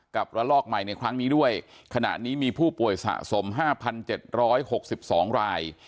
กับละลอกใหม่ในครั้งนี้ด้วยขณะนี้มีผู้ป่วยสะสมห้าพันเจ็ดร้อยหกสิบสองราย